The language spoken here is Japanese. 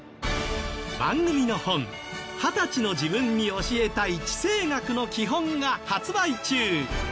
番組の本『２０歳の自分に教えたい地政学のきほん』が発売中。